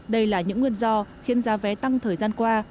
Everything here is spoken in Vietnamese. đây là những nguyên do khiến giá vé tăng thời gian qua